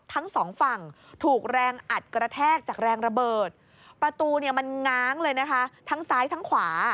ทั้งสองฝั่งถูกแรงอัดกระแทก